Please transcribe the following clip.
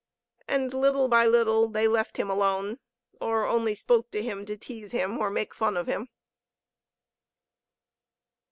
And little by little they left him alone, or only spoke to him to tease him or make fun of him.